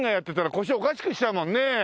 腰おかしくしちゃうもんねえ。